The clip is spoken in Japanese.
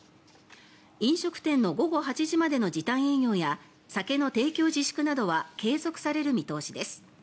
飲食店の午後８時までの時短営業や酒の提供自粛などは継続される見通しです。